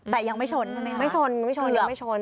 แต่ยังไม่ชนใช่ไหมครับเกือบคือไม่ชน